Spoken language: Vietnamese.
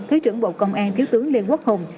thứ trưởng bộ công an thiếu tướng lê quốc hùng